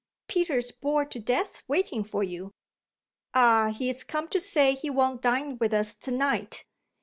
"Peter's bored to death waiting for you." "Ah he's come to say he won't dine with us to night!"